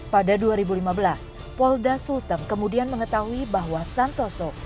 pada dua ribu lima belas polda sulteng kemudian mengetahui bahwa santoso